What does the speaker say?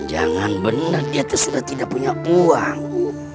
jangan bener dia terserah tidak punya uang